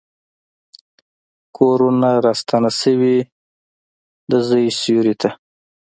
کورته راستون شي، دزوی سیورې ته،